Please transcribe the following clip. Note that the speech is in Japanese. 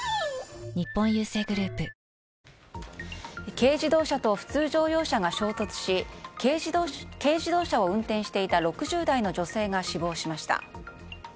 軽自動車と普通乗用車が衝突し軽自動車を運転していた６０代の女性が死亡しました。